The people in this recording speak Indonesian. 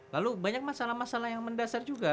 lalu banyak masalah masalah yang mendasar juga